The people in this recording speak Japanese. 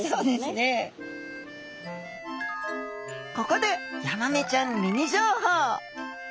ここでヤマメちゃんミニ情報！